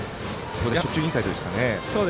初球、インサイドでした。